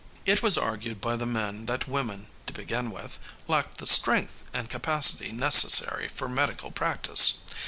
It was argued by the men that women, to begin with, lacked the strength and capacity necessary for medical practice.